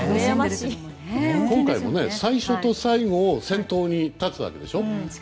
今回も最初と最後先頭に立つわけでしょ。